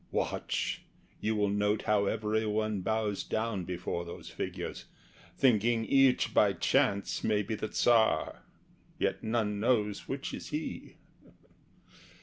Watch you will note how every one bows down Before those figures, thinking each by chance May be the Tsar; yet none knows which is he.